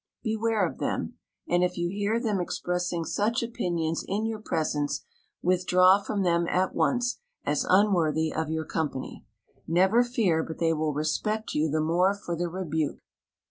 Beware of them, and if you hear them expressing such opinions in your presence, withdraw from them at once as unworthy of your company. Never fear but they will respect you the more for the rebuke.